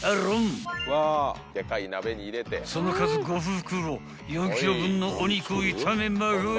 ［その数５袋４ｋｇ分のお肉を炒めまくり］